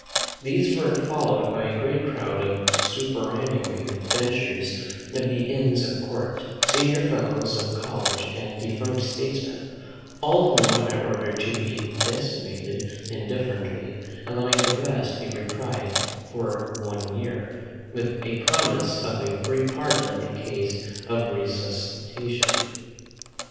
These were followed by a great crowd of superannuated benchers of the Inns of Court, senior fellows of colleges, and defunct statesmen: all whom I ordered to be decimated indifferently, allowing the rest a reprieve for one year, with a promise of a free pardon in case of resuscitation.